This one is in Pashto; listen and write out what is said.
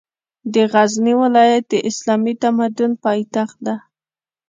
د غزني ولایت د اسلامي تمدن پاېتخت ده